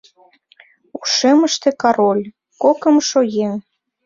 ушемыште Король — кокымшо еҥ.